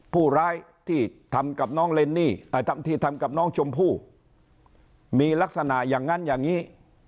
ผู้ร้ายที่ทำกับน้องเรนนี่ทำที่ทำกับน้องชมพู่มีลักษณะอย่างนั้นอย่างนี้